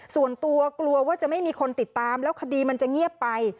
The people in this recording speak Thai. ส่วนตัวกลัวว่าจะไม่มีคนติดตามแล้วคดีมันจะเงียบไป